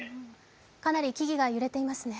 かなり木々が揺れていますね。